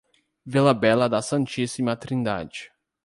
Vila Bela da Santíssima Trindade